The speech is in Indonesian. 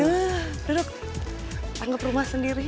duh duduk tanggep rumah sendiri